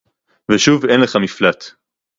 ושוב אין לך מפלט